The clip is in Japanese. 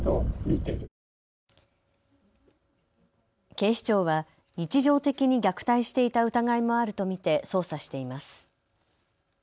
警視庁は日常的に虐待していた疑いもあると見て捜査しています。